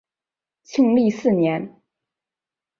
庆历四年。